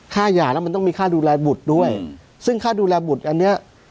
หย่าแล้วมันต้องมีค่าดูแลบุตรด้วยซึ่งค่าดูแลบุตรอันเนี้ย